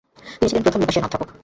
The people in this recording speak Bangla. তিনি ছিলেন প্রথম লুকাসিয়ান অধ্যাপক।